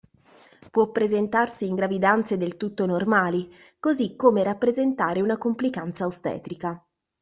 Può presentarsi in gravidanze del tutto normali, così come rappresentare una complicanza ostetrica.